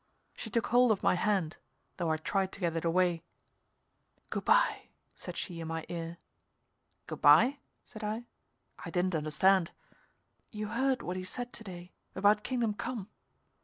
She took hold of my hand, though I tried to get it away. "Good by," said she in my ear. "Good by?" said I. I didn't understand. "You heard what he said to day about Kingdom Come?